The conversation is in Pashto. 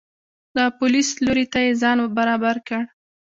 د پولیس لوري ته یې ځان برابر کړ.